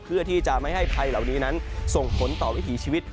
เพื่อที่จะไม่ให้ภัยเหล่านี้นั้นส่งผลต่อวิถีชีวิต